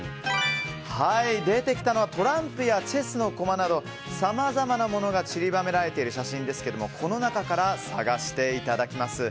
出てきたのはトランプやチェスの駒などさまざまなものが散りばめられている写真ですがこの中から探していただきます。